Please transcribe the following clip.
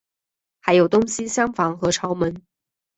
还有东西厢房和朝门。